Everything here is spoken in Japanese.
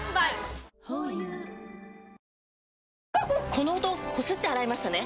この音こすって洗いましたね？